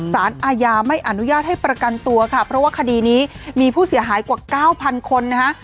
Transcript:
สารอาญาไม่อนุญาตให้ประกันตัวค่ะเพราะว่าคดีนี้มีผู้เสียหายกว่าเก้าพันคนนะคะ